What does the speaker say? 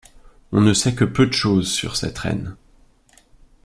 On ne sait que peu de choses sur cette reine.